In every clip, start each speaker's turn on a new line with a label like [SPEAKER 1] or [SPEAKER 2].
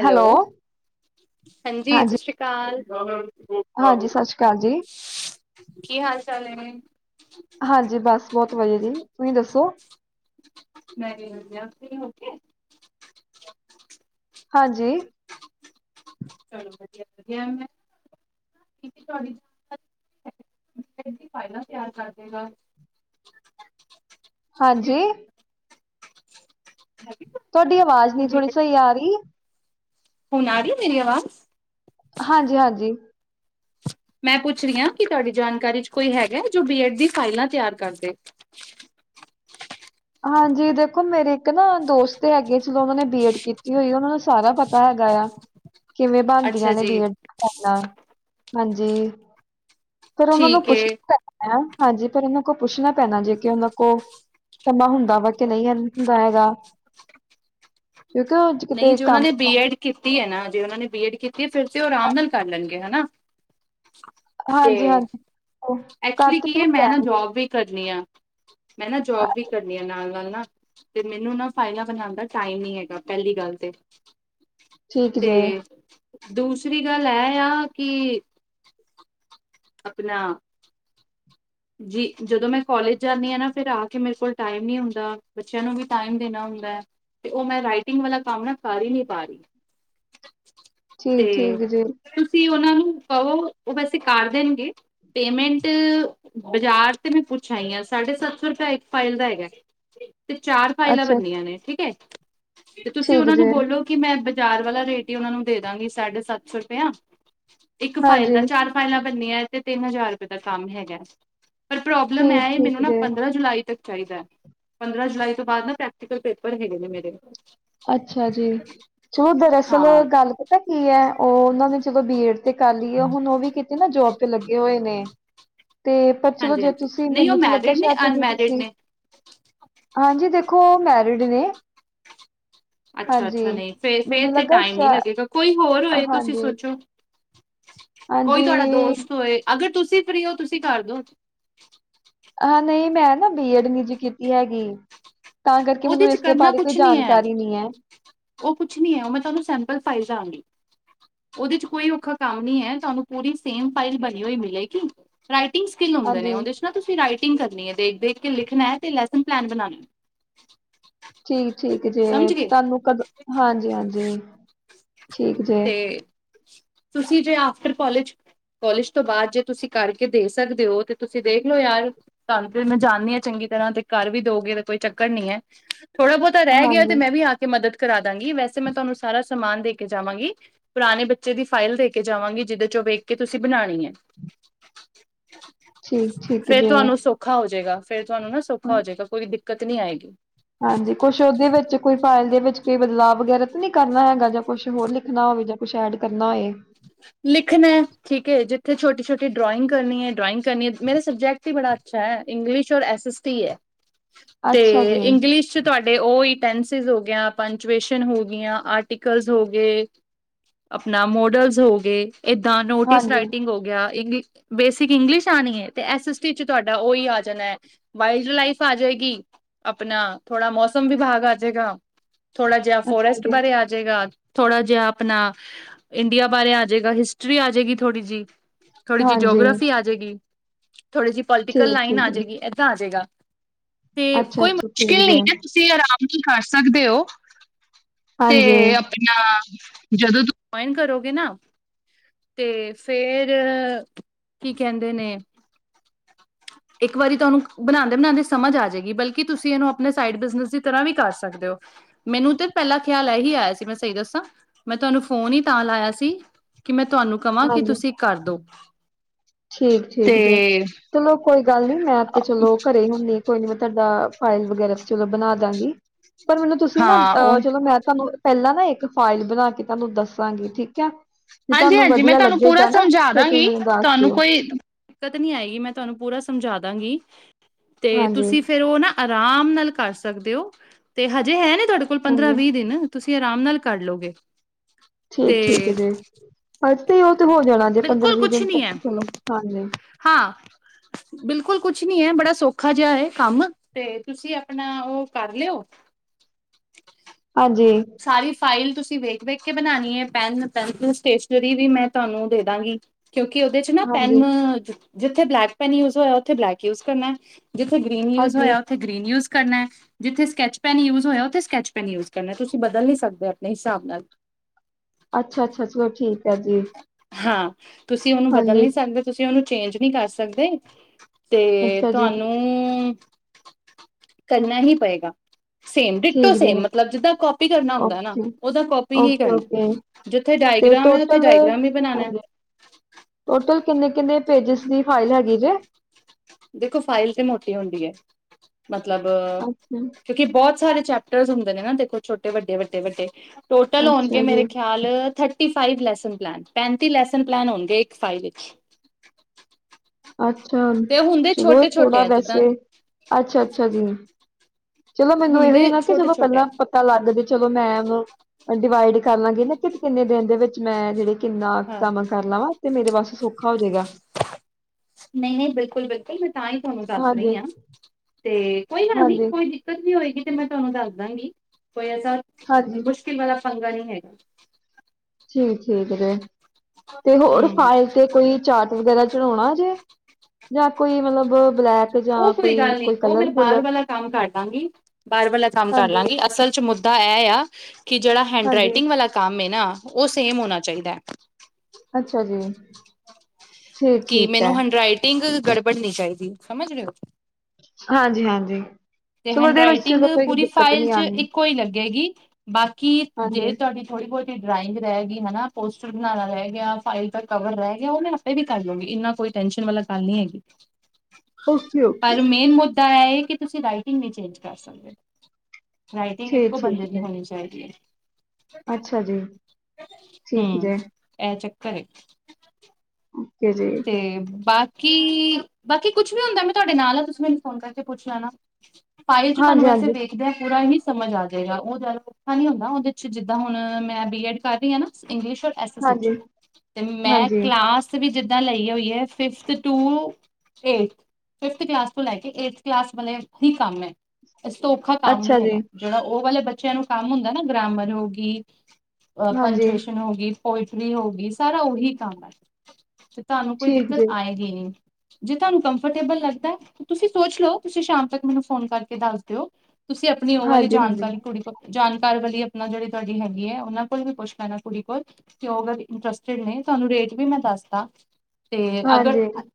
[SPEAKER 1] Hello, ਹਾਂਜੀ ਸਤਿ ਸ੍ਰੀ ਅਕਾਲ।
[SPEAKER 2] ਹਾਂਜੀ, ਸਤਿ ਸ਼੍ਰੀ ਅਕਾਲ ਜੀ।
[SPEAKER 1] ਕੀ ਹਾਲ- ਚਾਲ ਐ?
[SPEAKER 2] ਹਾਂਜੀ, ਬਸ ਬਹੁਤ ਵਧੀਆ ਜੀ, ਤੁਸੀਂ ਦੱਸੋ?
[SPEAKER 1] ਮੈਂ ਵੀ ਵਧੀਆ, ਫਰੀ ਹੋ ਗਏ?
[SPEAKER 2] ਹਾਂਜੀ।
[SPEAKER 1] ਚਲੋਂ ਵਧੀਆ- ਵਧੀਆ ਮੈਂ ਤੁ ਫਾਈਲਾਂ ਤਿਆਰ ਕਰ ਦੇਗਾ।
[SPEAKER 2] ਹਾਂਜੀ?
[SPEAKER 1] ਹਾਜੀ।
[SPEAKER 2] ਤੁਹਾਡੀ ਆਵਾਜ਼ ਨੀ ਥੋੜੀ ਸਹੀ ਆ ਰੀ।
[SPEAKER 1] ਹੁਣ ਆ ਰੀ ਮੇਰੀ ਆਵਾਜ਼?
[SPEAKER 2] ਹਾਂਜੀ ਹਾਂਜੀ।
[SPEAKER 1] ਮੈਂ ਪੁੱਛ ਰੀ ਆ ਕਿ ਤੁਹਾਡੀ ਜਾਣਕਾਰੀ ਚ ਕੋਈ ਹੈਗਾ ਜੋ ਬੀ ਐਡ ਦੀ ਫਾਈਲਾਂ ਤਿਆਰ ਕਰਦੇ
[SPEAKER 2] ਹਾਂਜੀ ਦੇਖੋ ਮੇਰੇ ਇੱਕ ਨਾ ਦੋਸਤ ਹੈਗੇ ਹੈ ਚਲੋਂ ਉਹਨਾਂ ਨੇ ਬੀਏਡ ਕੀਤੀ ਹੋਈ ਉਹਨਾਂ ਨੂੰ ਸਾਰਾ ਪਤਾ ਹੈਗਾ ਆ।
[SPEAKER 1] [inaudible]
[SPEAKER 2] ਕਿਵੇਂ
[SPEAKER 1] ਅੱਛਾ
[SPEAKER 2] ਬਣਦੀਆਂ ਨੇ
[SPEAKER 1] ਜੀ
[SPEAKER 2] ਬੀਐਡ [unintelligible] ਹਾਂਜੀ। ਪਰ ਉਹਨਾਂ ਨੂੰ
[SPEAKER 1] ਠੀਕ ਹੈ
[SPEAKER 2] ਪੁੱਛਣਾ ਪੈਣਾ ਆ ਹਾਂਜੀ ਪਰ ਉਹਨਾਂ ਕੋਲ ਪੁੱਛਣਾ ਪੈਣਾ ਜੇ ਕਿ ਉਹਨਾਂ ਕੋਲ ਪਹਿਲਾਂ ਹੁੰਦਾ ਵਾ ਕਿ ਨਹੀਂ ਹੁੰਦਾ ਹੈਗਾ। ਕਿਉਂਕਿ
[SPEAKER 1] ਨਹੀਂ
[SPEAKER 2] ਜੀਦੇ
[SPEAKER 1] ਜੇ ਉਹਨਾਂ
[SPEAKER 2] ਕੰਮ
[SPEAKER 1] ਨੇ
[SPEAKER 2] ਤੋਂ
[SPEAKER 1] ਬੀਐਡ ਕੀਤੀ ਹੈ ਨਾ ਜੇ ਉਹਨਾਂ ਨੇ ਬੀ ਐਡ ਕੀਤੀ ਹੈ ਫਿਰ ਤੇ ਉਹ ਆਰਾਮ ਨਾਲ ਕਰ ਲੈਣਗੇ ਹਨਾ। ਤੇ
[SPEAKER 2] ਹਾਂਜੀ ਹਾਂਜੀ ਉਹ ਕਰ
[SPEAKER 1] ਐਕਚੁਲੀ
[SPEAKER 2] ਤੇ
[SPEAKER 1] ਕੀ
[SPEAKER 2] ਚਲੋ
[SPEAKER 1] ਹੈ ਮੈਂ ਨਾ ਜੋਬ
[SPEAKER 2] ਲੈਣਗੇ
[SPEAKER 1] ਵੀ ਕਰਨੀ ਆ ਮੈਂ ਨਾ ਜੋਬ ਵੀ ਕਰਨੀ ਆ ਨਾਲ ਨਾਲ ਨਾ। ਤੇ ਮੈਨੂੰ ਨਾ ਫਾਈਲਾਂ ਬਣਾਉਣ ਦਾ ਟਾਈਮ ਨੀ ਹੈਗਾ ਪਹਿਲੀ ਗੱਲ ਤੇ।
[SPEAKER 2] ਠੀਕ ਜੇ
[SPEAKER 1] ਤੇ ਦੂਸਰੀ ਗੱਲ ਇਹ ਆ ਕਿ ਆਪਣਾ ਜੀ ਜਦੋਂ ਮੈਂ ਕੋਲਜ ਜਾਂਦੀ ਆ ਨਾ ਫਿਰ ਆ ਕੇ ਮੇਰੇ ਕੋਲ ਟਾਈਮ ਨਹੀਂ ਹੁੰਦਾ ਬੱਚਿਆਂ ਨੂੰ ਵੀ ਟਾਈਮ ਦੇਣਾ ਹੁੰਦਾ। ਤੇ ਉਹ ਮੈਂ ਰਾਈਟਿੰਗ ਵਾਲਾ ਕੰਮ ਨਾ ਕਰ ਹੀ ਨੀ ਪਾ ਰਹੀ।
[SPEAKER 2] ਠੀਕ
[SPEAKER 1] ਤੇ
[SPEAKER 2] ਠੀਕ ਜੀ
[SPEAKER 1] ਤੁਸੀਂ ਉਹਨਾਂ ਨੂੰ ਕਵੋ ਉਹ ਵੈਸੇ ਕਰ ਦੇਣਗੇ। ਪੇਮੈਂਟ ਬਾਜ਼ਾਰ ਤੇ ਮੈਂ ਪੁੱਛ ਆਈ ਆ ਸਾਢੇ ਸੱਤ ਸੌ ਰੁਪਆ ਇੱਕ ਫਾਈਲ ਦਾ ਹੈਗਾ। ਤੇ ਚਾਰ ਫਾਈਲਾਂ
[SPEAKER 2] ਅੱਛਾ
[SPEAKER 1] ਬਣਨੀਆਂ ਨੇ ਠੀਕ ਹੈ ਤੇ ਤੁਸੀਂ
[SPEAKER 2] ਠੀਕ
[SPEAKER 1] ਉਹਨਾ ਨੂੰ
[SPEAKER 2] ਜੇ
[SPEAKER 1] ਬੋਲੋ ਕਿ ਮੈਂ ਬਾਜ਼ਾਰ ਵਾਲਾ ਰੇਟ ਹੀ ਉਹਨਾ ਨੂੰ ਦੇ ਦਾਂਗੀ ਸਾਢੇ ਸੱਤ ਸੌ ਰੁਪਇਆ ਇੱਕ ਫਾਈਲ
[SPEAKER 2] ਹਾਂਜੀ
[SPEAKER 1] ਦਾ ਚਾਰ ਫਾਈਲਾਂ ਬਣਨੀਆਂ ਤੇ ਤਿੰਨ ਹਜ਼ਾਰ ਰੁਪਏ ਦਾ ਕੰਮ ਹੈਗਾ। ਪਰ ਪ੍ਰੋਬਲਮ
[SPEAKER 2] ਠੀਕ
[SPEAKER 1] ਹੈ
[SPEAKER 2] ਠੀਕ
[SPEAKER 1] ਮੈਨੂੰ ਨਾ
[SPEAKER 2] ਜੇ
[SPEAKER 1] ਪੰਦਰਾਂ ਜੁਲਾਈ ਤੱਕ ਚਾਹੀਦਾ ਪੰਦਰਾਂ ਜੁਲਾਈ ਤੋਂ ਬਾਅਦ ਨਾ ਪ੍ਰੈਕਟੀਕਲ ਪੇਪਰ ਹੈਗੇ ਨੇ ਮੇਰੇ।
[SPEAKER 2] ਅੱਛਾ ਜੀ। ਚਲੋਂ ਦਰਾ ਸਲ
[SPEAKER 1] ਹਾਂ
[SPEAKER 2] ਗੱਲ ਪਤਾ ਕੀ ਹੈ ਉਹ ਉਹਨਾਂ ਨੇ ਚਲੋਂ ਬੀ ਏਡ ਤੇ ਕਰ ਲਈ ਹੈ ਹੁਣ ਉਹ ਵੀ ਕੀ ਤੇ ਨਾ ਜੋਬ ਤੇ ਲੱਗੇ ਹੋਏ ਨੇ ਤੇ ਟੱਚ ਵੁੱਡ ਜੇ
[SPEAKER 1] ਹਾਂਜੀ-ਹਾਂਜੀ
[SPEAKER 2] ਤੁਸੀਂ
[SPEAKER 1] ਨਹੀਂ ਉਹ
[SPEAKER 2] ਮੈਨੂੰ ਤਾਂ ਲੱਗਾ
[SPEAKER 1] ਮੈਰਿਡ ਨੇ
[SPEAKER 2] ਸ਼ਾਇਦ ਤੋਂ ਜੇ
[SPEAKER 1] ਅਨਮੈਰਿਡ
[SPEAKER 2] ਤੁਸੀਂ
[SPEAKER 1] ਨੇ।
[SPEAKER 2] ਹਾਂਜੀ, ਦੇਖੋ ਉਹ ਮੈਰਿਡ ਨੇ।
[SPEAKER 1] ਅੱਛਾ ਅੱਛਾ
[SPEAKER 2] ਹਾਂਜੀ
[SPEAKER 1] ਨਈ ਫਿਰ ਫਿਰ
[SPEAKER 2] ਮੈਨੂੰ
[SPEAKER 1] ਤੇ
[SPEAKER 2] ਲੱਗਾ
[SPEAKER 1] ਟਾਈਮ ਨੀ
[SPEAKER 2] ਸ਼ਾ
[SPEAKER 1] ਲੱਗੇ। ਕੋਈ ਹੋਰ ਹੋਏ ਤੁਸੀਂ
[SPEAKER 2] ਹਾਂਜੀ
[SPEAKER 1] ਸੋਚੋ ਕੋਈ
[SPEAKER 2] ਹਾਂਜੀ
[SPEAKER 1] ਤੁਹਾਡਾ ਦੋਸਤ ਹੋਏ। ਅਗਰ ਤੁਸੀਂ ਫਰੀ ਹੋ ਤੁਸੀਂ ਕਰਦੋ।
[SPEAKER 2] ਆਹ ਨਹੀਂ ਮੈਂ ਨਾ ਬੀਏਡ ਨੀ ਜੀ ਕੀਤੀ ਹੈਗੀ। ਤਾਂ ਕਰਕੇ
[SPEAKER 1] ਉਹਦੇ
[SPEAKER 2] ਮੈਨੂੰ
[SPEAKER 1] ਚ
[SPEAKER 2] ਇਸਦੇ
[SPEAKER 1] ਕਰਨਾ
[SPEAKER 2] ਬਾਰੇ ਕੋਈ
[SPEAKER 1] ਕੁਛ ਨੀ ਐ
[SPEAKER 2] ਜਾਣਕਾਰੀ ਨੀ ਹੈ।
[SPEAKER 1] ਉਹ ਕੁਛ ਨੀ ਹੈ ਉਹ ਮੈਂ ਤੁਹਾਨੂੰ ਸੈਂਪਲ ਸਾਈਜ਼ ਦਾਂਗੀ। ਉਹਦੇ ਚ ਕੋਈ ਔਖਾ ਕੰਮ ਨਹੀਂ ਹੈ ਤੁਹਾਨੂੰ ਪੂਰੀ ਸੇਮ ਫਾਈਲ ਬਣੀ ਹੋਈ ਮਿਲੇਗੀ ਰਾਈਟਿੰਗ ਸਕਿਲ ਹੁੰਦੇ ਨੇ
[SPEAKER 2] ਹਾਂਜੀ
[SPEAKER 1] ਉਹਦੇ ' ਨਾ ਤੁਸੀਂ ਰਾਈਟਿੰਗ ਕਰਨਣੀ ਹੈ ਦੇਖ ਦੇਖ ਕੇ ਲਿਖਣਾ ਅਤੇ ਲੈਸਨ ਪਲੈਨ ਬਣਾਉਣਾ
[SPEAKER 2] ਠੀਕ ਠੀਕ ਜੇ
[SPEAKER 1] ਸਮਝ ਗਏ
[SPEAKER 2] ਤੁਹਾਨੂੰ ਕਦੋਂ ਹਾਂਜੀ ਹਾਂਜੀ ਠੀਕ ਜੇ
[SPEAKER 1] ਤੇ ਤੁਸੀਂ ਜੇ ਆਫਟਰ ਕੋਲਜ ਕੋਲਜ ਤੋਂ ਬਾਅਦ ਜੇ ਤੁਸੀਂ ਕਰਕੇ ਦੇ ਸਕਦੇ ਹੋ ਤੇ ਤੁਸੀਂ ਦੇਖ ਲਓ ਯਾਰ ਤੁਹਾਨੂੰ ਮੈਂ ਜਾਂਦੀ ਹਾਂ ਚੰਗੀ ਤਰ੍ਹਾਂ ਤੇ ਘਰ ਵੀ ਦੋਗੇ ਤਾਂ ਕੋਈ ਚੱਕਰ ਨੀ ਹੈ। ਥੋੜਾ ਬਹੁਤਾ ਰਹਿ ਗਿਆ ਤੇ
[SPEAKER 2] ਹਾਂਜੀ
[SPEAKER 1] ਮੈਂ ਵੀ ਆ ਮਦਦ ਕਰਾ ਦਾਂਗੀ ਵੈਸੇ ਮੈਂ ਤੁਹਾਨੂੰ ਸਾਰਾ ਸਮਾਨ ਦੇ ਕੇ ਜਾਵਾਂਗੀ ਪੁਰਾਣੇ ਬੱਚੇ ਬੱਚੇ ਦੀ ਫਾਈਲ ਦੇ ਕੇ ਜਾਵਾਂਗੀ ਜਿਹਦੇ ਚੋਂ ਵੇਖ ਕੇ ਤੁਸੀਂ ਬਣਾਣੀ ਹੈ।
[SPEAKER 2] ਠੀਕ ਠੀਕ
[SPEAKER 1] ਫਿਰ
[SPEAKER 2] ਜੇ
[SPEAKER 1] ਤੁਹਾਨੂੰ ਸੌਖਾ ਹੋ ਜਾਏਗਾ ਫਿਰ ਤੁਹਾਨੂੰ ਨਾ ਸੌਖਾ ਹੋ ਜਾਏਗਾ ਕੋਈ ਦਿੱਕਤ ਨਹੀਂ ਆਏਗੀ
[SPEAKER 2] ਹਾਂਜੀ ਕੁਛ ਉਹਦੇ ਵਿੱਚ ਕੋਈ ਫਾਈਲ ਦੇ ਵਿੱਚ ਕੋਈ ਬਦਲਾਵ ਵਗੈਰਾ ਤਾਂ ਨਹੀਂ ਕਰਨਾ ਹੈਗਾ ਜਾਂ ਕੁਛ ਹੋਰ ਲਿਖਣਾ ਹੋਵੇ ਜਾਂ ਕੁਛ ਐਡ ਕਰਨਾ ਹੋਏ
[SPEAKER 1] ਲਿਖਣਾ ਹੈ ਠੀਕ ਹੈ ਜਿੱਥੇ ਛੋਟੀ ਛੋਟੀ ਡਰਾਇੰਗ ਕਰਨੀ ਹੈ ਡਰਾਇੰਗ ਕਰਨੀ ਹੈ ਮੇਰੇ ਸਬਜੈਕਟ ਬੜਾ ਅੱਛਾ ਇੰਗਲਿਸ਼ ਔਰ ਐਸ ਐਸ ਟੀ ਹੈ ਤੇ
[SPEAKER 2] ਅੱਛਾ ਜੀ
[SPEAKER 1] ਇੰਗਲਿਸ਼ ਇੰਗਲਿਸ਼ ਵਿਚ ਤੁਹਾਡੇ ਟੇਂਸਿਸ ਹੋ ਗਏ ਪੰਚੁਏਸ਼ਨ ਹੋ ਗਈ ਆ ਆਰਟੀਕਲ ਹੋ ਗਏ ਆਪਣਾ ਮੋਡਲਸ ਹੋ ਗਏ ਏਦਾਂ ਨੋਟਿਸ
[SPEAKER 2] ਹਾਂਜੀ
[SPEAKER 1] ਰਾਈਟਿੰਗ ਹੋ ਗਿਆ। ਬੇਸਿਕ ਇੰਗਲਿਸ਼ ਆਉਣੀ ਹੈ ਤੇ ਐਸ ਐਸ ਟੀ ਚ ਤੁਹਾਡਾ ਉਹੀ ਆ ਜਾਣਾ ਹੈ ਵਾਈਲਡ ਲਾਈਫ ਆ ਜਾਏਗੀ ਆਪਣਾ ਥੋੜ੍ਹਾ ਮੌਸਮ ਵਿਭਾਗ ਆ ਜਾਏਗਾ ਥੋੜਾ ਜਿਹਾ
[SPEAKER 2] ਅੱਛਾ
[SPEAKER 1] ਫੋਰਸਟ
[SPEAKER 2] ਜੀ
[SPEAKER 1] ਬਾਰੇ ਆ ਜਾਏਗਾ ਥੋੜਾ ਜਿਹਾ ਆਪਣਾ ਇੰਡੀਆ ਬਾਰੇ ਆ ਜਾਏਗਾ ਹਿਸਟਰੀ ਆ ਜਾਏਗੀ ਥੋੜੀ ਜਿਹੀ ਥੋੜੀ ਜਿਹੀ
[SPEAKER 2] ਹਾਂਜੀ
[SPEAKER 1] ਜੋਗ੍ਰਾਫੀ ਆ ਜਾਏਗੀ ਥੋੜੀ ਜਿ ਪੋਲੀਟੀਕਲ
[SPEAKER 2] ਠੀਕ
[SPEAKER 1] ਲਾਈਨ
[SPEAKER 2] ਠੀਕ
[SPEAKER 1] ਆ
[SPEAKER 2] ਜੀ
[SPEAKER 1] ਜਾਏਗੀ ਏਦਾਂ ਆ ਜਾਏਗਾ ਤੇ
[SPEAKER 2] ਅੱਛਾ
[SPEAKER 1] ਕੋਈ
[SPEAKER 2] ਅੱਛਾ ਠੀਕ
[SPEAKER 1] ਮੁਸ਼ਕਿਲ
[SPEAKER 2] ਜੀ
[SPEAKER 1] ਨਹੀਂ ਹੈ ਤੁਸੀਂ ਆਰਾਮ ਨਾਲ ਕਰ ਸਕਦੇ ਹੋ ਤੇ
[SPEAKER 2] ਹਾਂਜੀ
[SPEAKER 1] ਕੀ ਨਾਂ ਜਦੋਂ ਤੋਂ ਜੁਆਇਨ ਕਰੋ ਦੇ ਨਾ ਤੇ ਫੇਰ ਕੀ ਕਹਿੰਦੇ ਨੇ ਇੱਕ ਵਾਰੀ ਤੁਹਾਨੂੰ ਬਣਾਉਂਦੇ ਬਣਾਉਂਦੇ ਸਮਝ ਆ ਜਾਏਗੀ ਬਲਕਿ ਤੁਸੀਂ ਇਹਨੂੰ ਆਪਣੇ ਸਾਈਡ ਬਿਜਨਸ ਦੀ ਤਰ੍ਹਾਂ ਵੀ ਕਰ ਸਕਦੇ ਹੋ ਮੈਨੂੰ ਤੇ ਪਹਿਲਾ ਖਿਆਲ ਇਹੀ ਆਇਆ ਸੀ ਮੈਂ ਸਹੀ ਦੱਸਾਂ ਮੈਂ ਤੁਹਾਨੂੰ ਫੋਨ ਹੀ ਤਾਂ ਲਾਇਆ ਸੀ ਕਿ ਮੈਂ ਤੁਹਾਨੂੰ ਕਹਾਂ ਕਿ
[SPEAKER 2] ਹਾਂਜੀ
[SPEAKER 1] ਤੁਸੀਂ ਕਰਦੋ
[SPEAKER 2] ਠੀਕ ਠੀਕ ਜੇ
[SPEAKER 1] ਤੇ
[SPEAKER 2] ਚਲੋ ਕੋਈ ਗੱਲ ਨੀ ਮੈਂ ਤੇ ਚਲੋ ਘਰੇ ਹੀ ਹੁੰਦੀ ਕੋਈ ਨੀ ਮੈਂ ਤੁਹਾਡਾ ਫਾਇਲ ਵਗੈਰਾ ਚਲੋ ਬਣਾ ਦਾਂਗੀ ਪਰ ਮੈਨੂੰ ਤੁਸੀਂ ਨਾ
[SPEAKER 1] ਹਾਂ ਉਹ
[SPEAKER 2] ਚਲੋ ਮੈਂ ਤੁਹਾਨੂੰ ਪਹਿਲਾਂ ਨਾ ਇੱਕ ਫਾਈਲ ਬਣਾ ਕੇ ਤੁਹਾਨੂੰ ਦੱਸਾਂਗੀ ਠੀਕ ਹੈ ਜੇ
[SPEAKER 1] ਹਾਂਜੀ
[SPEAKER 2] ਤੁਹਾਨੂੰ
[SPEAKER 1] ਹਾਂਜੀ ਮੈਂ
[SPEAKER 2] ਵਧੀਆ
[SPEAKER 1] ਤੁਹਾਨੂੰ ਪੂਰਾ
[SPEAKER 2] ਲੱਗੇਗਾ ਨਾ
[SPEAKER 1] ਸਮਝਾ
[SPEAKER 2] ਫਿਰ ਤੁਸੀ
[SPEAKER 1] ਦਾਂਗੀ
[SPEAKER 2] ਮੈਨੂੰ ਦੱਸ
[SPEAKER 1] ਤੁਹਾਨੂੰ
[SPEAKER 2] ਦਿਓ
[SPEAKER 1] ਕੋਈ ਦਿੱਕਤ ਤੇ ਨੀ ਆਏਗੀ ਮੈਂ ਤੁਹਾਨੂੰ ਪੂਰਾ ਸਮਝਾ ਦਾਂਗੀ ਤੇ
[SPEAKER 2] ਹਾਂਜੀ
[SPEAKER 1] ਤੁਸੀਂ ਫੇਰ ਉਹ ਨਾ ਆਰਾਮ ਨਾਲ ਕਰ ਸਕਦੇ ਹੋ ਤੇ ਹਜੇ ਹੈ ਨੀ ਤੁਹਾਡੇ ਕੋਲ ਪੰਦਰਾਂ
[SPEAKER 2] ਹਾਂਜੀ
[SPEAKER 1] ਵੀਹ ਦਿਨ ਤੁਸੀਂ ਆਰਾਮ ਨਾਲ ਕਢ ਲਓਗੇ
[SPEAKER 2] ਚਲੋ ਠੀਕ ਠੀਕ ਹੈ ਜੀ ਅੱਜ ਤੇ ਉਹ ਤੇ ਹੋ ਜਾਣਾ ਜੇ ਪੰਦਰਾਂ
[SPEAKER 1] ਬਿਲਕੁਲ
[SPEAKER 2] ਵੀਹ
[SPEAKER 1] ਕੁਛ
[SPEAKER 2] ਦਿਨ
[SPEAKER 1] ਨੀ
[SPEAKER 2] ਤੱਕ
[SPEAKER 1] ਹੈ
[SPEAKER 2] ਚਲੋ ਹਾਂਜੀ
[SPEAKER 1] ਹਾਂ ਬਿਲਕੁਲ ਕੁਛ ਨੀ ਹੈ ਬੜਾ ਸੌਖਾ ਜਿਹਾ ਹੈ ਕੰਮ ਤੇ ਤੁਸੀਂ ਆਪਣਾ ਉਹ ਕਰ ਲਿਓ।
[SPEAKER 2] ਹਾਂਜੀ
[SPEAKER 1] ਸਾਰੀ ਫਾਈਲ ਤੁਸੀਂ ਵੇਖ ਵੇਖ ਕੇ ਬਣਾਉਣੀ ਹੈ ਪੈਨ ਪੈਨਸਿਲ ਸਟੇਸ਼ਨਰੀ ਵੀ ਮੈਂ ਤੁਹਾਨੂੰ ਦੇ ਦਾਂਗੀ ਕਿਉਂਕਿ ਉਹਦੇ ਚ ਨਾ
[SPEAKER 2] ਹਾਂਜੀ
[SPEAKER 1] ਪੈੱਨ ਜਿੱਥੇ ਬਲੈਕ ਪੈੱਨ ਯੂਜ ਹੋਇਆ ਉੱਥੇ ਬਲੈਕ ਯੂਜ ਕਰਨਾ ਜਿੱਥੇ ਗ੍ਰੀਨ ਯਿਊਜ
[SPEAKER 2] ਹਾਂਜੀ
[SPEAKER 1] ਹੋਇਆ ਗ੍ਰੀਨ ਯੂਜ ਕਰਨਾ ਜਿੱਥੇ ਸਕੈਚ ਪੈਨ ਯੂਜ ਹੋਇਆ ਉੱਥ ਸਕੈਚ ਪੈਨ ਯੂਜ ਕਰਨਾ ਤੁ ਬਦਲ ਨੀ ਸਕਦੇ ਆਪਣੇ ਹਿਸਾਬ ਨਾਲ
[SPEAKER 2] ਅੱਛਾ ਅੱਛਾ ਚਲੋ ਠੀਕ ਹੈ ਜੀ।
[SPEAKER 1] ਹਾਂ ਤੁਸੀਂ ਉਹਨੂੰ ਬਦਲ
[SPEAKER 2] ਹਾਂਜੀ
[SPEAKER 1] ਨੀ ਸਕਦੇ ਤੁਸੀਂ ਉਹਨੂੰ ਚੇਂਜ ਨਹੀਂ ਕਰ ਸਕਦੇ। ਤੇ
[SPEAKER 2] ਅੱਛਾ ਜੀ
[SPEAKER 1] ਤੁਹਾਨੂੰ ਕਰਨਾ ਹੀ ਪਏਗਾ। ਸੇਮ ਡਿਟੋ
[SPEAKER 2] ਠੀਕ ਜੀ
[SPEAKER 1] ਸੇਮ ਮਤਲਬ ਜਿਦਾਂ ਕਾਪੀ ਕਰਨਾ ਹੁੰਦਾ ਨਾ
[SPEAKER 2] ਓਕੇ
[SPEAKER 1] ਉਹਦਾ ਕਾਪੀ ਹੀ
[SPEAKER 2] ਓਕੇ
[SPEAKER 1] ਕਰਨਾ
[SPEAKER 2] ਓਕੇ
[SPEAKER 1] ਜਿੱਥੇ
[SPEAKER 2] ਤੇ
[SPEAKER 1] ਡਾਇਗ੍ਰਾਮ ਹੈ ਉੱਥੇ
[SPEAKER 2] ਟੋਟਲ
[SPEAKER 1] ਡਾਇ
[SPEAKER 2] ਹਾਂਜੀ ਟੋਟਲ ਕਿੰਨੇ ਕਿੰਨੇ ਪੇਜਿਸ ਦੀ ਫਾਈਲ ਹੈਗੀ ਜੇ
[SPEAKER 1] ਦੇਖੋ ਫਾਈਲ ਤੇ ਮੋਟੀ ਹੁੰਦੀ ਹੈ ਮਤਲਬ
[SPEAKER 2] ਅੱਛਾ,
[SPEAKER 1] ਕਿਉਂਕਿ, ਬਹੁਤ ਸਾਰੇ ਚੈਪਟਰਸ ਹੁੰਦੇ ਨੇ ਨਾ, ਦੇਖੋ ਛੋਟੇ -ਵੱਡੇ ਵੱਡੇ -ਵੱਡੇ ਟੋਟਲ ਹੋਣਗੇ,
[SPEAKER 2] ਅੱਛਾ ਜੀ,
[SPEAKER 1] ਮੇਰੇ ਖਿਆਲ ਥਰਟੀ ਥਰਟੀਫਾਈਵ ਲੈਸਨ ਪਲੈਨ ਪੈਂਤੀ ਲੈਸਨ ਪਲੈਨ, ਹੁੰਦੇ ਇੱਕ ਫਾਈਲ ਵਿੱਚ
[SPEAKER 2] ਅੱਛਾ,
[SPEAKER 1] ਤੇ ਹੁੰਦੇ
[SPEAKER 2] ਚਲੋ ਇਹ
[SPEAKER 1] ਛੋਟੇ ਛੋਟੇ
[SPEAKER 2] ਥੋੜਾ
[SPEAKER 1] ਆ ਜਿੱਦਾਂ
[SPEAKER 2] ਵੈਸੇ, ਅੱਛਾ ਅੱਛਾ ਜੀ। ਚਲੋ ਮੈਨੂੰ ਇਹ ਵੀ
[SPEAKER 1] ਹੁੰਦੇ
[SPEAKER 2] ਨਾ, ਕਿ
[SPEAKER 1] ਛੋਟੇ
[SPEAKER 2] ਚਲੋ
[SPEAKER 1] ਛੋਟੇ
[SPEAKER 2] ਪਹਿਲਾਂ
[SPEAKER 1] ਆ
[SPEAKER 2] ਪਤਾਂ ਲੱਗ ਜੇ ਚਲੋ ਮੈਂ, ਉਹਨੂੰ ਡਿਵਾਈਡ ਕਰ ਲਾਂਗੀ ਨਾ ਕਿ ਕਿੰਨੇ ਦਿਨ, ਦੇ ਵਿੱਚ ਮੈਂ [unintelligible] ਕਿੰਨਾ
[SPEAKER 1] ਹਾਂ
[SPEAKER 2] ਕੰਮ ਕਰ ਲਵਾਂ ਤੇ ਮੇਰੇ ਵਾਸਤੇ ਸੌਖਾ ਹੋਜੇ ਗਾ।
[SPEAKER 1] ਨਹੀਂ -ਨਹੀਂ ਬਿਲਕੁਲ- ਬਿਲਕੁਲ ਮੈਂ ਤਾਂ ਹੀ ਤੁਹਾਨੂੰ ਦੱਸ ਰਹੀ
[SPEAKER 2] ਹਾਂਜੀ,
[SPEAKER 1] ਹਾਂ ਤੇ ਕੋਈ ਗੱਲ ਨਹੀਂ
[SPEAKER 2] ਹਾਂਜੀ
[SPEAKER 1] ਕੋਈ ਦਿੱਕਤ ਨੀ ਹੋਏਗੀ ਤੇ ਮੈਂ ਤੁਵਾਨੂੰ ਦੱਸ ਦਾਂਗੀ ਕੋਈ ਐਸਾ
[SPEAKER 2] ਹਾਂਜੀ।
[SPEAKER 1] [unintelligible] ਵਾਲਾ ਪੰੰਗਾ ਨਹੀਂ ਹੈ।
[SPEAKER 2] ਠੀਕ-ਠੀਕ ਜੇ ਤੇ ਹੋਰ
[SPEAKER 1] ਹੂੰ,
[SPEAKER 2] ਫਾਇਲ ਤੇ ਕੋਈ ਚਾਰਟ ਵਗੈਰਾ ਚੜ੍ਹਾਉਣਾ ਜੇ ਜਾਂ ਕੋਈ ਮਤਲਬ ਬਲੈਕ
[SPEAKER 1] ਉਹ,
[SPEAKER 2] ਜਾਂ
[SPEAKER 1] ਕੋਈ ਗੱਲ ਨਹੀਂ, ਉਹ ਮੈਂ
[SPEAKER 2] ਕਲਰਫੁੱਲ
[SPEAKER 1] ਬਾਹਰ ਵਾਲਾ ਕੰਮ ਕਰ ਲਾਂਗੀ, ਬਾਹਰ ਵਾਲਾ ਕੰਮ ਕਰ
[SPEAKER 2] ਹਾਂਜੀ,
[SPEAKER 1] ਲਾਂਗੀ ਅਸਲ ਚ ਮੁਦ ਦਾ ਇਹ ਆ ਕਿ, ਜੇੜਾ ਹੈਂਡ
[SPEAKER 2] ਹਾਂਜੀ
[SPEAKER 1] ਰਾਈਟਿੰਗ ਵਾਲਾ ਕੰਮ ਏ ਨਾ, ਉਹ ਸੇਮ ਹੋਣਾ ਚਾਹੀਦਾ।
[SPEAKER 2] ਅੱਛਾ ਜੀ। ਠੀਕ,
[SPEAKER 1] ਕੀ
[SPEAKER 2] ਠੀਕ ਹੈ
[SPEAKER 1] ਮੈਨੂੰ ਹੈਂਡ ਰਈਟਿੰਗ ਗੜਬੜ ਨੀ ਚਾਹੀਦੀ ਸਮਝ ਰਹੇ ਹੋ।
[SPEAKER 2] ਹਾਂਜੀ -ਹਾਂਜੀ।
[SPEAKER 1] ਤੇ
[SPEAKER 2] ਚਲੋ
[SPEAKER 1] ਹੈਂਡ
[SPEAKER 2] ਇਹਦੇ ਵਿੱਚ
[SPEAKER 1] ਰਈਟਿੰਗ
[SPEAKER 2] ਚਲੋ ਕੋਈ
[SPEAKER 1] ਪੂਰੀ
[SPEAKER 2] ਦਿੱਕਤ
[SPEAKER 1] ਫਾਈਲ
[SPEAKER 2] ਨੀ
[SPEAKER 1] ਚ
[SPEAKER 2] ਆਣੀ
[SPEAKER 1] ਇੱਕੋ ਈ ਲੱਗੇਗੀ ਬਾਕੀ ਜੇ
[SPEAKER 2] ਹਾਂਜੀ
[SPEAKER 1] ਤੁਵਾਡੀੇ ਥੋੜ੍ਹੀ- ਬਹੁਤੀ ਡਰਾਇੰਗ ਰਹਿ ਗਈ ਹੈਨਾ, ਪੋਸਟਰ ਬਣਾਣਾ ਰਹਿ ਗਿਆ, ਫਾਈਲ ਦਾ ਕਵਰ ਰਹਿ ਗਿਆ, ਉਹ ਨੇ ਇਹ ਵੀ ਕਰ ਲੂੰਗੀ ਇੰਨਾ ਕੋਈ ਟੈਨਸ਼ਨ ਵਾਲਾ ਗੱਲ ਨਹੀਂ ਹੈਗੀ।
[SPEAKER 2] ਓਕੇ,
[SPEAKER 1] ਪਰ,
[SPEAKER 2] ਓਕੇ
[SPEAKER 1] ਮੇਨ ਮੁੱਦਾ ਇਹ ਹੈ ਕਿ, ਤੁਸੀਂ ਰਾਈਟਿੰਗ ਨੀ ਚੇਂਜ ਕਰ ਸਕਦੇ। ਰਾਈਟਿੰਗ
[SPEAKER 2] ਠੀਕ,
[SPEAKER 1] ਇੱਕੋ
[SPEAKER 2] ਠੀਕ
[SPEAKER 1] ਬੰਦੇ ਦੀ
[SPEAKER 2] ਜੀ
[SPEAKER 1] ਹੋਣੀ ਚਾਹੀਦੀ ਏ?
[SPEAKER 2] ਅੱਛਾ ਜੀ ਠੀਕ
[SPEAKER 1] ਹੂ,
[SPEAKER 2] ਜੇ
[SPEAKER 1] ਇਹ ਚੱਕਰ ਏ
[SPEAKER 2] ਓਕੇ ਜੀ।
[SPEAKER 1] ਤੇ, ਬਾਕੀ-ਬਾਕੀ ਕੁਛ ਵੀ ਹੁੰਦਾ, ਮੈਂ ਤੁਵਾਡੇ ਨਾਲ ਆ, ਤੁਸੀਂ ਮੈਨੂੰ ਕਾਨਫ੍ਰੈਂਸ ਤੇ ਪੁੱਛ ਲੈਣਾ। ਫਾਇਲ ਚ ਤੁਵਾਨੂੰ
[SPEAKER 2] ਹਾਂਜੀ,
[SPEAKER 1] ਵੈਸੇ ਦੇਖਦਿਆਂ ਪੂਰਾ ਹੀ ਸਮਝ ਆ ਜੇਗਾ ਉਹ ਜਦ ਹਾਂਜੀ, ਹੁੰਦਾ ਉਹਦੇ ਚ ਜਿੱਦਾਂ ਹੁਣ ਮੈਂ ਬੀ ਐਡ, ਕਰ ਰਹੀ ਆ ਨਾ ਇੰਗਲਿਸ਼
[SPEAKER 2] ਹਾਂਜੀ,
[SPEAKER 1] [unintelligible] ਮੈਂ
[SPEAKER 2] ਹਾਂਜੀ, ਹਾਂਜੀ
[SPEAKER 1] ਕਲਾਸ ਵੀ, ਜਿੱਦਾਂ ਲਈ ਹੋਈ ਹੈ ਫਿਫਥ ਟੂ [unintelligible] ਫਿਫਥ ਕਲਾਸ ਤੋਂ ਲੈ ਕੇ ਏਠਤ ਕਲਾਸ ਵਾਲੇ ਹੀ ਕੰਮ ਏ। ਇਸ ਤੋਂ ਔਖਾ ਕੰਮ ਨੀ
[SPEAKER 2] ਅੱਛਾ ਜੀ
[SPEAKER 1] ਹੈਗਾ ਜੇੜਾ ਉਹ ਵਾਲੇ ਬੱਚਿਆਂ ਨੂੰ ਕੰਮ ਹੁੰਦਾ ਨਾ, ਗ੍ਰਾਮਰ ਹੋ ਗਈ ਅ,
[SPEAKER 2] ਹਾਂਜੀ
[SPEAKER 1] ਪੰਚੁਏਸ਼ਨ ਹੋ ਗਈ, ਪੋਇਟਰੀ ਹੋ ਗਈ, ਸਾਰਾ ਉਹੀ ਕੰਮ ਹੈ ਤੁਵਾਨੂੰ ਕੋਈ
[SPEAKER 2] ਠੀਕ
[SPEAKER 1] ਦਿੱਕਤ
[SPEAKER 2] ਜੀ
[SPEAKER 1] ਆਏਗੀ ਨੀ। ਜੇ ਤੁਵਾਨੂੰ ਕੰਫਰਟੇਬਲ ਲੱਗਦਾ ਤੁਸੀਂ ਸੋਚ ਲਓ ਤੇ ਸ਼ਾਮ ਤੱਕ ਮੈਨੂੰ, ਫੋਨ ਕਰਕੇ ਦੱਸ ਦਿਓ? ਤੁਸੀਂ, ਆਪਣੀ ਉਹ ਵਾਲੀ
[SPEAKER 2] ਹਾਂਜੀ,
[SPEAKER 1] ਜਾਣਕਾਰੀ, ਕੁੜੀ ਕੋਲ ਜਾਣਕਾਰ ਵਾਲੀ ਆਪਣਾ ਜੇੜੀ ਤੁਵਾਡੀ ਹੈਗੀ ਹੈ, ਉਹਨਾਂ ਕੋਲ ਵੀ ਪੁੱਛ ਲੈਣਾ, ਕੁੜੀ ਕੋਲ? ਕਿਉਂ ਜੇ ਇੰਟਰਸਟਡ ਨੇ, ਤੁਵਾਨੂੰ ਰੇਟ ਵੀ ਮੈਂ ਦੱਸ ਦਾਂਗੀ ਤੇ ਅਗਰ
[SPEAKER 2] ਹਾਂਜੀ, ਹਾਂਜੀ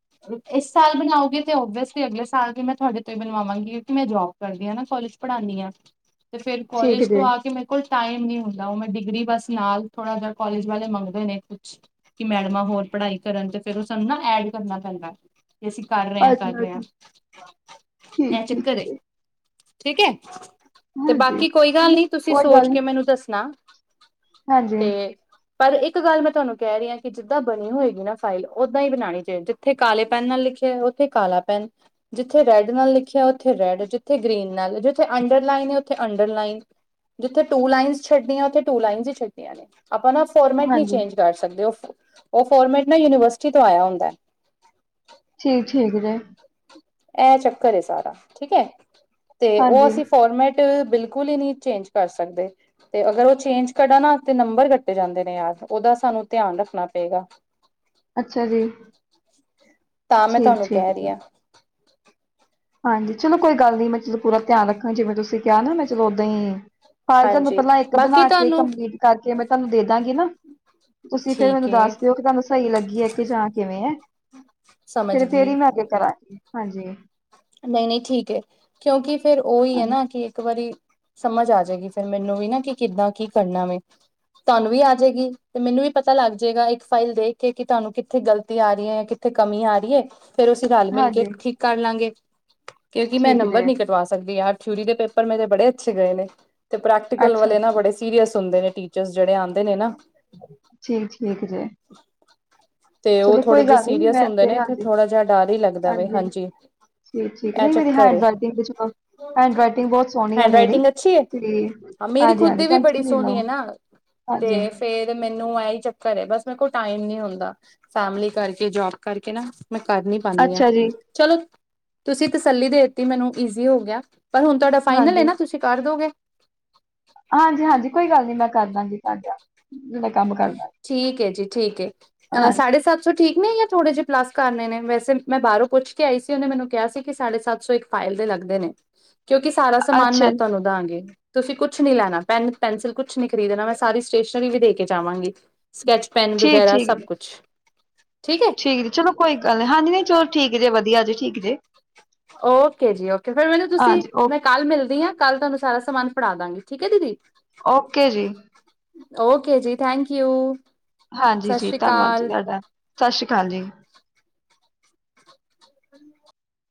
[SPEAKER 1] ਇਸ ਸਾਲ ਬਣਾਓਗੇ ਤੇ, ਓਬਵ ਅਸਲੀ ਅਗਲੇ ਸਾਲ ਵੀ, ਮੈਂ ਤੁਹਾਡੇ ਤੋਂ ਹੀ ਬਣਵਾਵਾਂਗੀ ਕਿਉੰਕਿ ਮੈ ਜੌਬ ਕਰਦੀ ਆਂ ਨਾ ਕੋਲਜ ਪੜ੍ਹਾਨੀ ਆਂ ਤੇ ਫੇਰ
[SPEAKER 2] ਠੀਕ
[SPEAKER 1] ਕੋਲਜ
[SPEAKER 2] ਜੀ
[SPEAKER 1] ਤੋਂ ਆ ਕੇ ਮੈਂ ਕੋਲ ਟਾਈਮ ਨੀ ਹੁੰਦਾ, ਉਹ ਮੈਂ ਡਿਗਰੀ ਬਸ ਨਾਲ ਥੋੜਾ ਜਿਹਾ, ਕੋਲਜ ਵਾਲੇ ਮੰਗਦੇ ਨੇ ਕਿ ਮੈਡਮਾਂ, ਹੋਰ ਪੜ੍ਹਾਈ ਕਰਨ, ਤੇ ਫੇਰ ਉਹ ਸਾਨੂੰ ਨਾ ਐਡ, ਕਰਨਾ ਪੈਂਦਾ ਏਸੀ ਕਾਰਨ ਐ ਕਰ
[SPEAKER 2] ਅੱਛਾ
[SPEAKER 1] ਰਹੇ ਆਂ
[SPEAKER 2] ਜੀ
[SPEAKER 1] ਇਹ
[SPEAKER 2] ਠੀਕ, ਠੀਕ
[SPEAKER 1] ਚੱਕਰ ਏ
[SPEAKER 2] ਜੀ
[SPEAKER 1] ਠੀਕ ਐ? ਤੇ
[SPEAKER 2] ਹਾਂਜੀ
[SPEAKER 1] ਬਾਕੀ, ਕੋਈ ਗੱਲ
[SPEAKER 2] ਚਲੋ
[SPEAKER 1] ਨੀ, ਤੁਸੀਂ
[SPEAKER 2] ਕੋਈ
[SPEAKER 1] ਸੋਚ
[SPEAKER 2] ਗੱਲ ਨੀ
[SPEAKER 1] ਕੇ ਮੈਨੂੰ ਦੱਸਣਾ
[SPEAKER 2] ਹਾਂਜੀ,
[SPEAKER 1] ਤੇ ਪਰ, ਇੱਕ ਗੱਲ ਮੈਂ ਤੁਵਾਨੂੰ ਕਹਿ ਰਹੀ ਆਂ, ਕਿ ਜਿੱਦਾਂ ਬਣੀ ਹੋਏਗੀ ਨਾ ਫਾਈਲ, ਓਦਾਂ ਈ ਬਣਾਣੀ ਜੇ ਜਿੱਥੇ ਕਾਲੇ ਪੈਨ, ਨਾਲ ਲਿਖਿਆ ਹੈ ਓਥੇ ਕਾਲਾ, ਪੈਨ ਜਿੱਥੇ ਰੈਡ ਨਾਲ ਲਿਖਿਆ, ਉੱਥੇ ਰੈਡ, ਜਿੱਥੇ ਗ੍ਰਰੀਨ ਨਾਲ, ਜਿੱਥੇ ਅੰਡਰ ਲਾਈਨ ਹੈ, ਉੱਥੇ ਅੰਡਰ ਲਾਈਨ ਜਿੱਥੇ ਟੂ ਲਾਈਨਸ ਛੱਡਨੀਆ, ਉੱਥੇ ਟੂ ਲਾਈਨਸ ਹੀ ਛੱਡਨੀਆਂ ਨੇ, ਆਪਾਂ ਨਾ ਫੋਰਮੈਟ ਨਹੀਂ
[SPEAKER 2] ਹਾਂਜੀ
[SPEAKER 1] ਚੇਂਜ ਕਰ ਸਕਦੇ, ਉਹ ਉਹ ਫੋਰਮੈਟ, ਨਾ ਯੂਨੀਵਰਸਿਟੀ ਤੋਂ ਆਯਾ ਹੁੰਦਾ
[SPEAKER 2] ਠੀਕ ਠੀਕ ਜੇ
[SPEAKER 1] ਇਹ ਚੱਕਰ ਸਾਰਾ, ਠੀਕ ਹੈ, ਤੇ ਉਹ
[SPEAKER 2] ਹਾਂਜੀ
[SPEAKER 1] ਅਸੀਂ ਫੋਰਮੈਟ ਬਿਲਕੁਲ ਹੀ ਨਹੀਂ ਚੇਂਜ ਕਰ ਸਕਦੇ। ਤੇ ਅਗਰ ਉਹ ਚੇਂਜ ਕਢਾ ਨਾ ਤੇ ਨੰਬਰ ਕੱਟੇ ਜਾਂਦੇ ਨੇ ਯਾਰ, ਉਹਦਾ ਸਾਨੂੰ ਧਿਆਨ ਰੱਖਣਾ ਪਏਗਾ।
[SPEAKER 2] ਅੱਛਾ ਜੀ।
[SPEAKER 1] ਤਾਂ ਮੈਂ
[SPEAKER 2] ਠੀਕ,
[SPEAKER 1] ਤੁਹਾਨੂੰ
[SPEAKER 2] ਠੀਕ
[SPEAKER 1] ਕਹਿ
[SPEAKER 2] ਜੀ
[SPEAKER 1] ਰਹੀ ਹਾਂ।
[SPEAKER 2] ਹਾਂਜੀ ਚਲੋ ਕੋਈ ਗੱਲ ਨੀ ਮੈਂ ਚਲੋ ਪੂਰਾ ਧਿਆਨ ਰੱਖਾਂ, ਜਿਵੇਂ ਤੁਸੀਂ ਕਿਹਾ ਨਾ ਮੈਂ ਚਲੋ ਓਦਾਂ ਹੀ ਫਾਲ ਤੁਹਾਨੂੰ
[SPEAKER 1] ਹਾਂਜੀ
[SPEAKER 2] ਪਹਿਲਾਂ ਇੱਕ
[SPEAKER 1] ਬਾਕੀ
[SPEAKER 2] ਬਣਾ ਕੇ
[SPEAKER 1] ਤੁਹਾਨੂੰ
[SPEAKER 2] ਕੰਪਲੀਟ ਕਰਕੇ ਮੈਂ ਤੁਹਾਨੂੰ ਦੇ ਦਾਂਗੀ ਨਾ, ਤੁਸੀਂ ਫੇਿਰ
[SPEAKER 1] ਠੀਕ
[SPEAKER 2] ਮੈਨੂੰ
[SPEAKER 1] ਹੈ
[SPEAKER 2] ਦੱਸ ਦਿਓ ਕਿ ਤੁਹਾਨੂੰ ਸਹੀ ਲੱਗੀ ਹੈ ਕਿ ਜਾਂ ਕਿਵੇਂ ਹੈ,
[SPEAKER 1] ਸਮਝ
[SPEAKER 2] ਫਿਰ ਫੇਰ
[SPEAKER 1] ਗਈ
[SPEAKER 2] ਹੀ ਮੈਂ ਅੱਗੇ ਕਰਾਂਗੀ, ਹਾਂਜੀ।
[SPEAKER 1] ਨਹੀਂ ਨਹੀਂ ਠੀਕ ਹੈ, ਕਿਉਂਕਿ ਫੇਿਰ ਉਹੀ ਹੈ
[SPEAKER 2] ਹਾਂਜੀ
[SPEAKER 1] ਨਾ ਕਿ ਇੱਕ ਵਾਰੀ ਸਮਝ ਆ ਜਾਏਗੀ ਫਿਰ ਮੈਨੂੰ ਵੀ ਨਾ, ਕਿ ਕਿੱਦਾਂ ਕੀ ਕਰਨਾ ਵੇ। ਤੁਹਾਨੂੰ ਵੀ ਆ ਜਾਏਗੀ ਤੇ ਮੈਨੂੰ ਵੀ ਪਤਾ ਲੱਗ ਜਾਏਗਾ, ਇੱਕ ਫਾਈਲ ਦੇਖ ਕੇ ਕਿ ਤੁਹਾਨੂੰ ਕਿੱਥੇ ਗਲਤੀ ਆ ਰਹੀ ਹੈੇ। ਤੇ ਕਮੀ ਆ ਰਹੀ ਏ, ਫੇਰ ਅਸੀਂ ਰਲ ਮਿਲ ਕੇ
[SPEAKER 2] ਹਾਂਜੀ
[SPEAKER 1] ਠੀਕ ਕਰ ਲਾਂਗੇ। ਕਿਉਂਕਿ ਮੈਂ
[SPEAKER 2] ਠੀਕ
[SPEAKER 1] ਨੰਬਰ
[SPEAKER 2] ਜੇ
[SPEAKER 1] ਨਹੀਂ ਕਟਵਾ ਸਕਦੀ ਯਾਰ, ਥਿਊਰੀ ਦੇ ਪੇਪਰ ਮੇਰੇ ਬੜੇ ਅੱਛੇ ਗਏ ਨੇ। ਤੇ ਪ੍ਰੈਕਟੀਕਲ
[SPEAKER 2] ਅੱਛਾ
[SPEAKER 1] ਵਾਲੇ ਨਾ
[SPEAKER 2] ਜੀ
[SPEAKER 1] ਬੜੇ ਸੀਰੀਸ ਹੁੰਦੇ ਨੇ ਟੀਚਰਜ਼, ਜਿੜੇ ਆਦੇ ਨੇ ਨਾ,
[SPEAKER 2] ਠੀਕ ਠੀਕ ਜੇ,
[SPEAKER 1] ਤੇ ਉਹ
[SPEAKER 2] ਚਲੋ
[SPEAKER 1] ਥੋੜੇ
[SPEAKER 2] ਕੋਈ
[SPEAKER 1] ਜਿਹੇ
[SPEAKER 2] ਗੱਲ ਨਹੀਂ
[SPEAKER 1] ਸੀਰੀਅਸ
[SPEAKER 2] ਮੈਂ
[SPEAKER 1] ਹੁੰਦੇ ਨੇ, ਤੇ
[SPEAKER 2] ਹਾਂਜੀ
[SPEAKER 1] ਥੋੜ੍ਹਾ ਜਿਹਾ ਡਰ ਹੀ ਲੱਗਦਾ ਵ ਹਾਂਜੀ।
[SPEAKER 2] ਠੀਕ ਠੀਕ,
[SPEAKER 1] ਇਹ
[SPEAKER 2] ਨਹੀਂ ਮੇਰੀ
[SPEAKER 1] ਚੱਕਰ ਏ।
[SPEAKER 2] ਹੈਂਡ ਰਾਈਟਿੰਗ ਦੇ ਚਲੋ ਹੈਂਡ ਰਈਟਿੰਗ ਬਹੁਤ ਸੋਹਣੀ ਆ
[SPEAKER 1] ਹੈਂਡ
[SPEAKER 2] ਮੇਰੀ,
[SPEAKER 1] ਰਾਈਟਿੰਗ ਅੱਛੀ ਹੈ
[SPEAKER 2] ਤੇ
[SPEAKER 1] ਹਾਂ ਮੇਰੀ
[SPEAKER 2] ਹਾਂਜੀ
[SPEAKER 1] ਖੁਦ
[SPEAKER 2] ਹਾਂਜੀ
[SPEAKER 1] ਦੀ ਵੀ ਬੜੀ
[SPEAKER 2] ਟੈਂਸ਼ਨ ਨਾ
[SPEAKER 1] ਸੋਹਣੀ
[SPEAKER 2] ਲਓ।
[SPEAKER 1] ਹੈ
[SPEAKER 2] ਹਾਂਜੀ
[SPEAKER 1] ਤੇ ਫੇਰ ਮੈਨੂੰ ਇਹਹੀ ਚੱਕਰ ਹੈ ਬਸ ਮੇਰੇ ਕੋਲ ਟਾਈਮ ਨੀ ਹੁੰਦਾ, ਫੈਮਲੀ ਕਰਕੇ ਜੋਬ ਕਰਕੇ ਨਾ, ਮੈਂ ਕਰ ਨੀ ਪਾਉਦੀ ਹਾਂ,
[SPEAKER 2] ਅੱਛਾ ਜੀ
[SPEAKER 1] ਚਲੋ ਤੁਸੀਂ ਤਸੱਲੀ ਦੇ ਦਿੱਤੀ ਮੈਨੂੰ, ਈਜ਼ੀ ਹੋ ਗਿਆ ਪਰ ਹੁਣ ਤੁਹਾਡਾ ਫਾਈਨਲ ਹੈ
[SPEAKER 2] ਹਾਂਜੀ
[SPEAKER 1] ਨਾ ਤੁਸੀਂ ਕਰ ਦੋਗੇ?
[SPEAKER 2] ਹਾਂਜੀ ਹਾਂਜੀ ਕੋਈ ਗੱਲ ਨੀ, ਮੈਂ ਕਰ ਦਾਂਗੀ ਤੁਹਾਡਾ। ਜਿੜਾ ਕੰਮ ਕਰਦਾ
[SPEAKER 1] ਠੀਕ ਹੈ ਜੀ ਠੀਕ ਹੈ, ਅਹ
[SPEAKER 2] ਹਾਂਜੀ।
[SPEAKER 1] ਸਾਢੇ ਸੱਤ ਸੌ ਠੀਕ ਨੇ ਜਾਂ ਥੋੜੇ ਜਿਹੇ ਪਲਾਸ ਕਰਨੇ ਨੇ, ਵੈਸੇ ਮੈਂ ਬਾਹਰੋਂ ਪੁੱਛ ਕੇ ਆਈ ਸੀ ਉਹਨੇ ਮੈਨੂੰ ਕਿਹਾ ਸੀ ਕਿ ਸਾਢੇ ਸੱਤ ਸੌ ਇੱਕ ਫਾਈਲ ਦੇ ਲੱਗਦੇ ਨੇ। ਕਿਉਂਕਿ ਸਾਰਾ ਸਮਾਨ
[SPEAKER 2] ਅੱਛਾ
[SPEAKER 1] ਮੈਂ
[SPEAKER 2] ਜੀ
[SPEAKER 1] ਤੁਹਾਨੂੰ ਤੁਸੀਂ ਕੁਛ ਨੀ ਲੈਣਾ, ਪੈਨ, ਪੈਨਸਿਲ ਕੁਛ ਨੀ ਖਰੀਦਣਾ, ਮੈਂ ਸਾਰੀ ਸਟੇਸ਼ਨਰੀ ਵੀ ਦੇ ਕੇ ਜਾਵਾਂਗੀ। ਸਕੈਚ ਪੈਨ
[SPEAKER 2] ਠੀਕ
[SPEAKER 1] ਵਗੈਰਾ
[SPEAKER 2] ਠੀਕ
[SPEAKER 1] ਸਭ
[SPEAKER 2] ਜੀ
[SPEAKER 1] ਕੁਛ, ਠੀਕ ਹੈ?
[SPEAKER 2] ਠੀਕ ਜੀ ਚਲੋ ਕੋਈ ਗੱਲ ਨੀ ਹਾਂਜੀ ਨ ਚਲੋ ਠੀਕ ਜੇ, ਵਧੀਆ ਜੇ ਠੀਕ ਜੇ
[SPEAKER 1] ਓਕੇ ਜੀ ਓਕੇ, ਫੇਿਰ ਮੈਨੂੰ ਤੁਸੀਂ
[SPEAKER 2] ਹਾਂਜੀ ਓ
[SPEAKER 1] ਮੈਂ ਕੱਲ ਮਿਲਦੀ ਹਾਂ ਕੱਲ੍ਹ ਤੁਹਾਨੂੰ ਸਾਰਾ ਸਮਾਨ ਫੜਾ ਦਾਂਗੀ, ਠੀਕ ਹੈ ਦੀਦੀ?
[SPEAKER 2] ਓਕੇ ਜੀ,
[SPEAKER 1] ਓਕੇ ਜੀ ਥੈਂਕ ਯੂ
[SPEAKER 2] ਹਾਂਜੀ
[SPEAKER 1] ਸਤਿ
[SPEAKER 2] ਜੀ
[SPEAKER 1] ਸ਼੍ਰੀ
[SPEAKER 2] ਧੰਨਵਾਦ ਜੀ
[SPEAKER 1] ਅਕਾਲ
[SPEAKER 2] ਤੁਹਾਡਾ, ਸਤਿ ਸ੍ਰੀ ਅਕਾਲ ਜੀ।